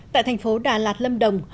tại thành phố đà lạt lâm đồng